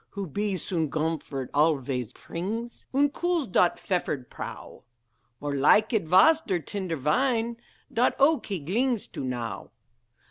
Who beace und gomfort alvays prings, Und cools dot fefered prow? More like id vas der tender vine Dot oak he glings to, now.